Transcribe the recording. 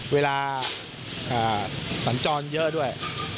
เวลาอ่าสัญจรเยอะด้วย